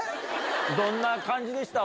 どんな感じでした？